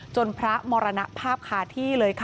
พระมรณภาพคาที่เลยค่ะ